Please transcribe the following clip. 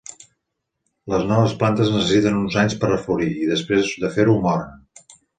Les noves plantes necessiten uns anys per a florir, i després de fer-ho moren.